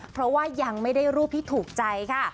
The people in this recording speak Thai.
เพราะว่ายังไม่ได้รูปที่ถูกใจค่ะ